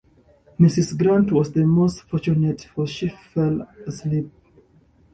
Mrs Grant was the most fortunate, for she fell asleep.